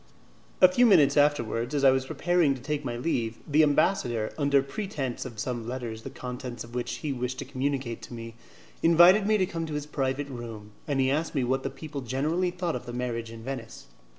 A few minutes afterwards, as I was preparing to take my leave, the ambassador, under pretense of some letters the contents of which he wished to communicate to me, invited me to come into his private room, and he asked me what people generally thought of the marriage in Venice.